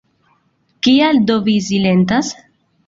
Kial do vi silentas?